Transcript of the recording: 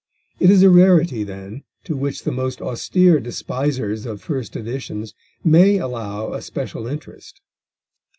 It is a rarity, then, to which the most austere despisers of first editions may allow a special interest.